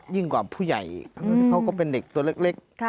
ยิ่งกว่าผู้ใหญ่เขาก็เป็นเด็กตัวเล็ก